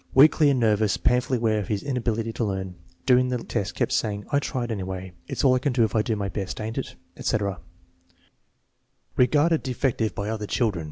Weakly and nervous. Painfully aware of his inability to learn. During the test keeps saying, "I tried anyway," "It's all I can do if I try my best, ain't it?" etc. Regarded defective by other children.